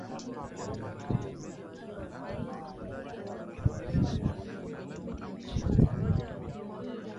ya dini hizo mbili kule Ulaya na Mashariki ya Kati Waislamu wanastahili pia